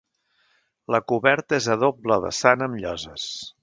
La coberta és a doble vessant amb lloses.